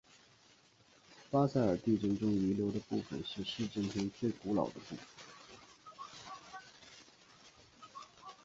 巴塞尔地震中遗留的部分是市政厅最古老的部分。